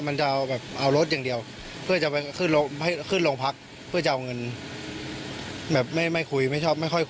มันก็จะเอารถอย่างเดียวเพื่อขึ้นลงพักเพื่อเงิน